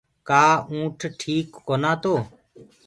ڪآ اونٺ ٺيڪ ڪونآ تو